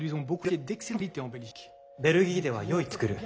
「ベルギーではよい鉄を作る。